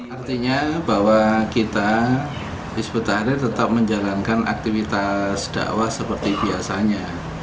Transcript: artinya bahwa kita hizbut tahrir tetap menjalankan aktivitas dakwah seperti biasanya